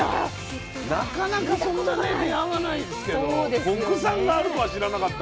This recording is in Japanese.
なかなかそんな出会わないですけど国産があるとは知らなかった。